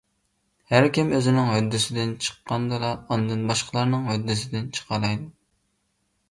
ھەركىم ئۆزىنىڭ ھۆددىسىدىن چىققاندىلا ئاندىن باشقىلارنىڭ ھۆددىسىدىن چىقالايدۇ.